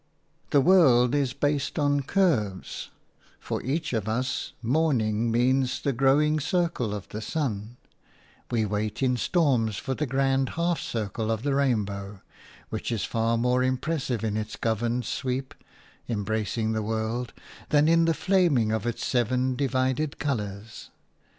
The world is based on curves; for each of us morning means the growing circle of the sun; we wait in storms for the grand half circle of the rainbow, which is far more impressive in its governed sweep – embracing the world – than in the flaming of its seven divided colours.